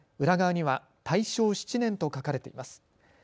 裏側には大正７年と書かれています。